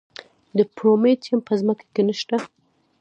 د پرومیټیم په ځمکه کې نه شته.